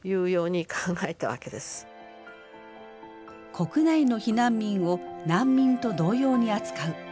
国内の避難民を難民と同様に扱う。